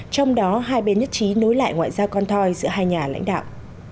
trong đó hai bên nhất trí nối lại ngoại giao con thoi giữa hai nhà lãnh đạo